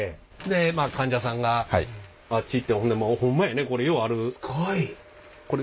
でまあ患者さんがあっち行ってほんでホンマやねこれようある。